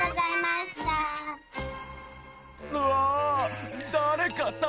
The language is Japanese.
うわ！